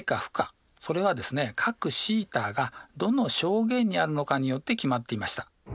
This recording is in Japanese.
それはですね角θがどの象限にあるのかによって決まっていました。